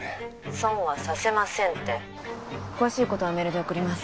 ☎損はさせませんって詳しいことはメールで送ります